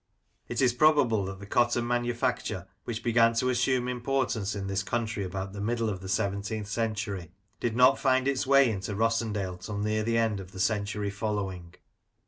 It is probable that the cotton manufacture, which began to assume importance in this country about the middle of the 17th century, did not find its way into Rossendale till near the end of the century following.